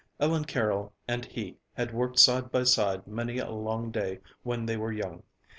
Ellen Carroll and he had worked side by side many a long day when they were young.